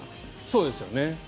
そうですよね。